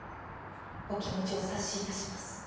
お気持ちお察しいたします。